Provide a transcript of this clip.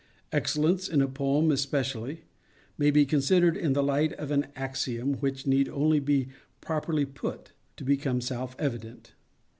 Excellence, in a poem especially, may be considered in the light of an axiom, which need only be properly _put, _to become self evident.